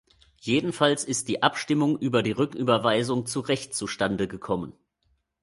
Jedenfalls ist die Abstimmung über die Rücküberweisung zu Recht zustande gekommen.